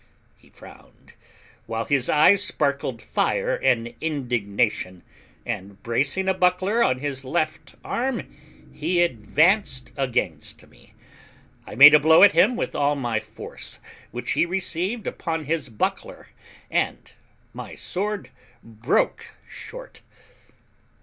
He frowned, while his eyes sparkled fire and indignation, and bracing a buckler on his left arm, he advanced against me. I made a blow at him with all my force, which he received upon his buckler, and my sword broke short.